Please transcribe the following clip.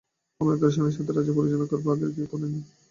আমি আগ্রাসনের সাথে রাজ্য পরিচালনা করব যা আগে কেউ করেনি।